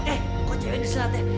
eh kok cewek disunat ya